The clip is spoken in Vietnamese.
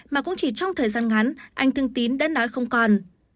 mà cũng chỉ trong thời gian ngắn anh thương tín đã nói không còn